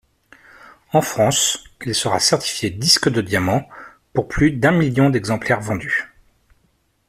En France, il sera certifié disque de diamant pour plus d'un million d'exemplaires vendus.